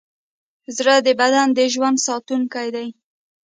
زړه د بدن د ژوند ساتونکی دی.